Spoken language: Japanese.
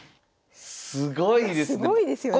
すごいですね。